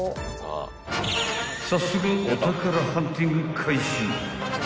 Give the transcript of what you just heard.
［早速お宝ハンティング開始］